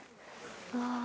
うわ